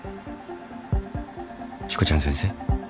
しこちゃん先生。